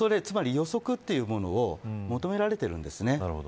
おそれ予測というものを求められているんです。